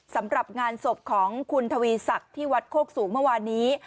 สำหรับงานศพของคุณทวีศักดิ์ที่วัดโคกสูงเมื่อวานนี้